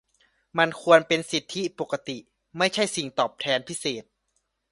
มันควรเป็นสิทธิปกติ ไม่ใช่สิ่งตอบแทนพิเศษ